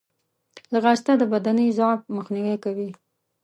ځغاسته د بدني ضعف مخنیوی کوي